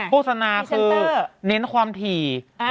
โฆษณาคือเน้นความถี่